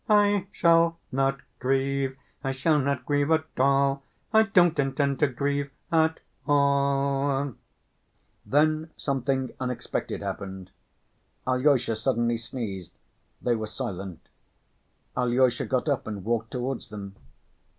I shall not grieve, I shall not grieve at all, I don't intend to grieve at all. Then something unexpected happened. Alyosha suddenly sneezed. They were silent. Alyosha got up and walked towards them.